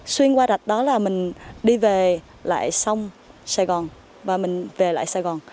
xuyên qua rạch đó là mình đi về lại sông sài gòn và mình về lại sài gòn